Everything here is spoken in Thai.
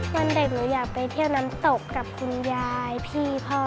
วันเด็กหนูอยากไปเที่ยวน้ำตกกับคุณยายพี่พ่อ